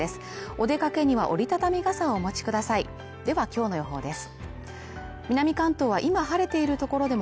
お出かけには折りたたみ傘をお持ちくださいでは今日の予報です